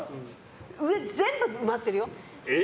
上全部、埋まってるよ。